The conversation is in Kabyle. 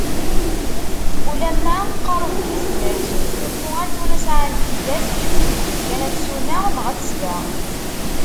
Ulamma qqaren-d tizemmar-is n usnulfu ar tura sɛant tilas, acku tenǧem kan ad tsuneɣ neɣ ad tesbeɣ.